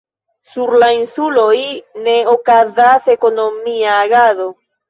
Sur la insuloj ne okazas ekonomia agado.